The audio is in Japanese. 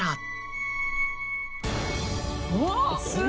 うわっ！